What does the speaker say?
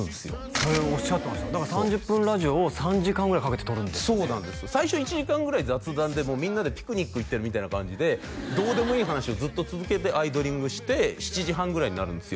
それをおっしゃってましただから３０分ラジオを３時間ぐらいかけてとるんですよねそうなんですよ最初１時間ぐらい雑談でみんなでピクニック行ってるみたいな感じでどうでもいい話をずっと続けてアイドリングして７時半ぐらいになるんですよ